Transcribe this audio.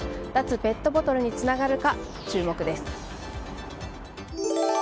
脱ペットボトルにつながるか注目です。